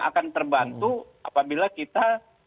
akan terbantu apabila kita